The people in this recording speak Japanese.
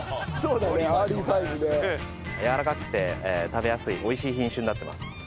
やわらかくて食べやすいおいしい品種になってます。